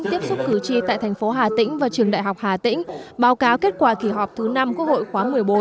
tiếp xúc cử tri tại thành phố hà tĩnh và trường đại học hà tĩnh báo cáo kết quả kỳ họp thứ năm quốc hội khóa một mươi bốn